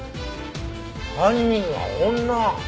犯人は女！？